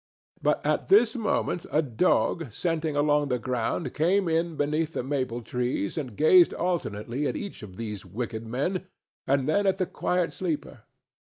But at this moment a dog scenting along the ground came in beneath the maple trees and gazed alternately at each of these wicked men and then at the quiet sleeper.